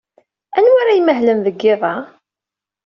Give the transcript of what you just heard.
Anwi ara imahlen deg yiḍ-a?